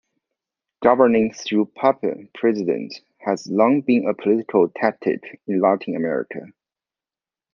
Governing through puppet presidents has long been a political tactic in Latin America.